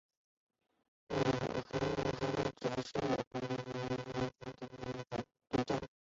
俄亥俄杯指的是美国职棒大联盟里主场位于辛辛那提和克里夫兰球队间的对战。